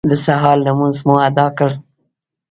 د سهار لمونځ مو اداء کړ.